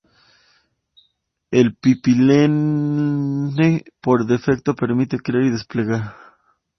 El pipeline por defecto permite crear y desplegar.